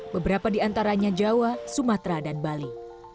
beberapa di antaranya jawa sumatera dan bali